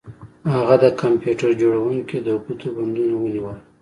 هغه د کمپیوټر جوړونکي د ګوتو بندونه ونیول